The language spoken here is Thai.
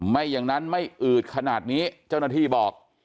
ไม่อย่างนั้นไม่อืดขนาดนี้เจ้าหน้าที่บอก